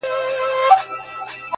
o په بازيو کي بنگړي ماتېږي!